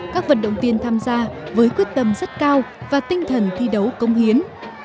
các vận động viên tham gia với quyết tâm rất cao và tinh thần thi đấu công hiến